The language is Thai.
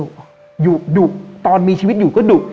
ดุตอนมีชีวิตอยู่ก็ดุ